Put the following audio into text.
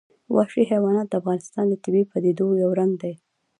وحشي حیوانات د افغانستان د طبیعي پدیدو یو رنګ دی.